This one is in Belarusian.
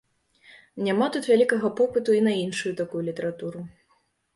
Няма тут вялікага попыту і на іншую такую літаратуру.